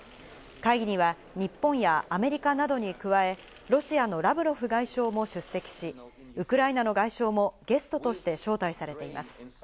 会議には日本やアメリカなどに加え、ロシアのラブロフ外相も出席し、ウクライナの外相もゲストとして招待されています。